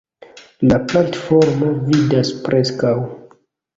La platformo vidas preskaŭ.